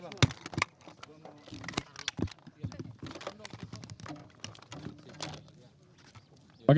hah apa lagi